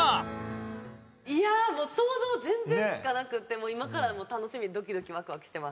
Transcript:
想像全然つかなくって今から楽しみでドキドキワクワクしてます。